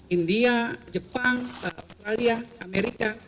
india jepang australia amerika